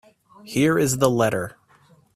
Here is the letter.